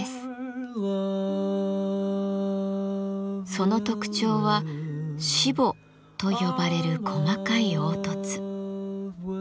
その特徴はしぼと呼ばれる細かい凹凸。